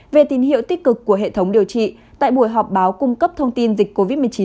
về tín hiệu tích cực của hệ thống điều trị tại buổi họp báo cung cấp thông tin dịch covid một mươi chín